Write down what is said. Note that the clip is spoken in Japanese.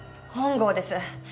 本郷です。